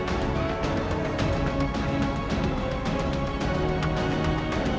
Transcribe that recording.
aw bukannya jadi engkam sebaiknya